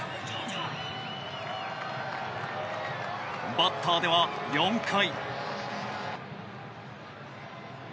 バッターでは４回。